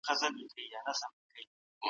منطقي تسلسل د لیکنې ارزښت زیاتوي.